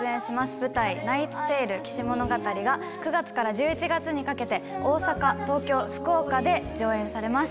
舞台『ナイツ・テイル−騎士物語−』が９月から１１月にかけて大阪東京福岡で上演されます。